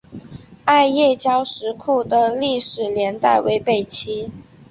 艾叶交石窟的历史年代为北齐。